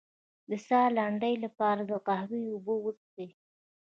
د ساه لنډۍ لپاره د قهوې اوبه وڅښئ